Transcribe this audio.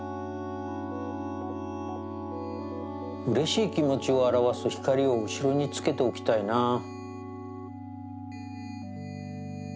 うれしいきもちをあらわすひかりをうしろにつけておきたいな。